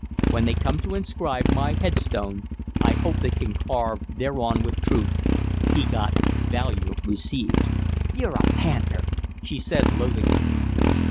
When they come to inscribe my headstone I hope they can carve thereon with truth, 'He got value received.'" "You're a panther," she said, loathingly.